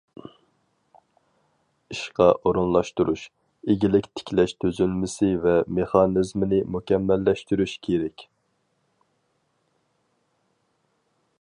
ئىشقا ئورۇنلاشتۇرۇش، ئىگىلىك تىكلەش تۈزۈلمىسى ۋە مېخانىزمىنى مۇكەممەللەشتۈرۈش كېرەك.